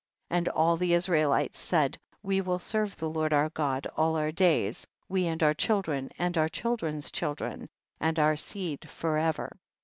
36. And all the Israelites said, we will serve the Lord our God all our days, we and our children, and our chil dren's children, and our seed for ever.